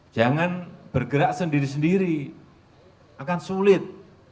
jangan bergerak sendiri sendiri akan sulit